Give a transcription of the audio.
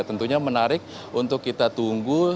dan tentunya menarik untuk kita tunggu